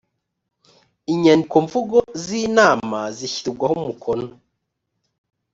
inyandikomvugo z inama zishyirwaho umukono